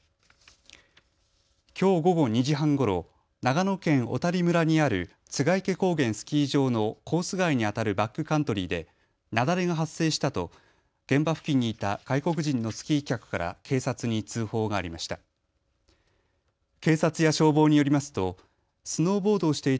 きょう午後２時半ごろ、長野県小谷村にある栂池高原スキー場のコース外にあたるバックカントリーで雪崩が発生したと現場付近にいた外国人のスキー客から警察に通報がありました。